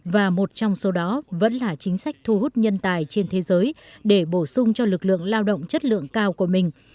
và một trong số đó vẫn là chính sách thu hút nhân tài trên thế giới để bổ sung cho lực lượng lao động chất lượng cao của mình